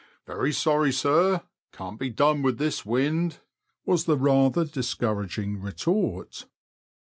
Very sorry, sir ; can't be done with this wind," was the rather discouraging retort.